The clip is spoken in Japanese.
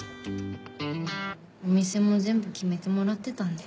お店も全部決めてもらってたんで。